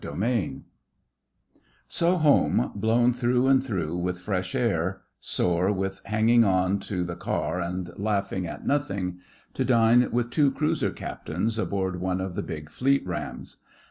CHAPTER V So home, blown through and through with fresh air; sore with hanging on to the car and laughing at nothing; to dine with two Cruiser Captains aboard one of the big fleet rams.